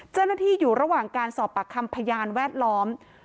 เจ้าหน้าที่อยู่ระหว่างการสอบปากคำพยานแวดล้อม